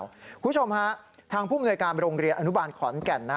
คุณผู้ชมฮะทางผู้มนวยการโรงเรียนอนุบาลขอนแก่น